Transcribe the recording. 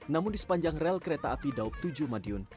namun di sepanjang rel kereta api daup tujuh madiun